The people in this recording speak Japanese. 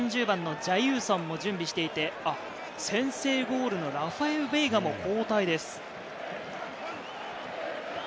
３０番のジャイウソンも準備をしていて、先制ゴールのラファエウ・ベイガも交代です。